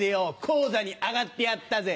高座に上がってやったぜ。